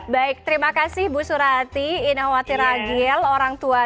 baik terima kasih bu surati inawati ragiel orang tua dari arhan